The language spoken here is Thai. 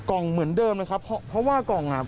กล่องเหมือนเดิมเลยครับเพราะว่ากล่องอ่ะ